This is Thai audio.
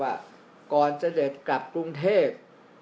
ว่าก่อนเสด็จกลับกรุงเทพ